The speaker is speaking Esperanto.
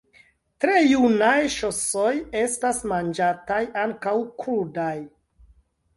Tre junaj ŝosoj estas manĝataj ankaŭ krudaj.